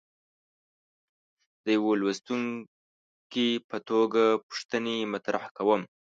د یوه لوستونکي په توګه پوښتنې مطرح کوم.